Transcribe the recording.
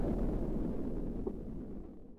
که کتاب ولوستل شي، نو فکر به پراخ شي.